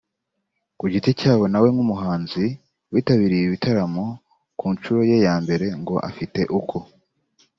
ku giti cyabo nawe nk’umuhanzi wari witabiriye ibi bitaramo ku nshuro ye ya mbere ngo afite uko